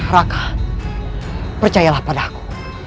raka percayalah padaku